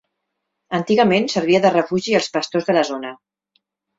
Antigament servia de refugi als pastors de la zona.